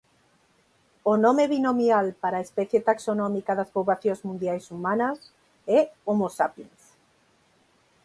A nome binomial para a especie taxonómica das poboacións mundiais humanas é "Homo sapiens".